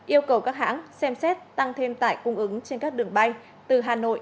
yêu cầu các hãng xem xét tăng thêm tải cung ứng trên các đường bay từ hà nội